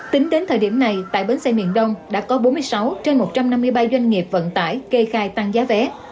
tính đến thời điểm này tại bến xe miền đông đã có bốn mươi sáu trên một trăm năm mươi ba doanh nghiệp vận tải kê khai tăng giá vé